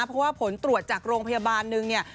เพราะว่าผลตรวจจากโรงพยาบาลนึงเนี่ย